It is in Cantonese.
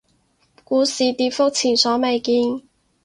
股市跌幅前所未見